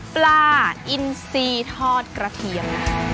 ปลาอินซีทอดกระเทียม